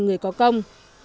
người có công